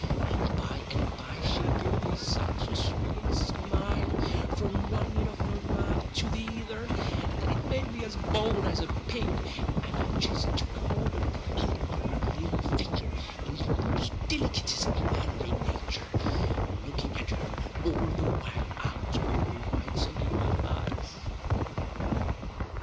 And by and by she gived me such a swate smile, from one ind of her mouth to the ither, that it made me as bould as a pig, and I jist took hould of the ind of her little finger in the most dilikittest manner in natur, looking at her all the while out o' the whites of my eyes.